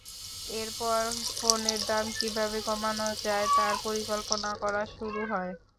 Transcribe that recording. এরপর ফোনের দাম কীভাবে কমানো যায় তার পরিকল্পনা করা শুরু হয়।